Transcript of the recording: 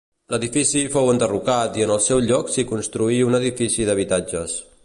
L’edifici fou enderrocat i en el seu lloc s'hi construí un edifici d’habitatges.